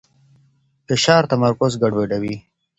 فشار تمرکز ګډوډوي.